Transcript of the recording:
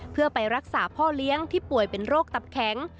เพื่อไปรักษาพ่อเลี้ยงที่ป่วยเป็นโรคตับแข็ง